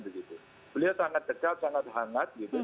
beliau sangat dekat sangat hangat